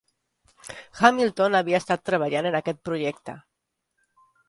Hamilton havia estat treballant en aquest projecte.